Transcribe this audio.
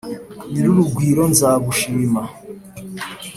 nyir’urugwiro nzagushima